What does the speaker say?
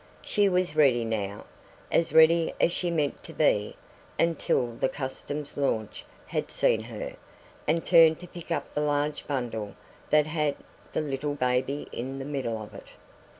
She was ready now as ready as she meant to be until the Customs launch had seen her and turned to pick up the large bundle that had the little baby in the middle of it.